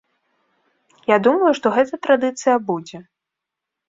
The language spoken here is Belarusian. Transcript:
Я думаю, што гэта традыцыя будзе.